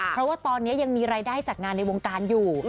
เพราะว่าตอนนี้ยังมีรายได้จากงานในวงการอยู่